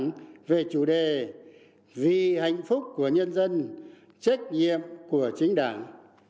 đảng về chủ đề vì hạnh phúc của nhân dân trách nhiệm của chính đảng